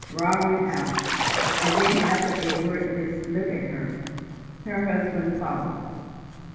Raut went out, and then, after a wordless look at her, her husband followed.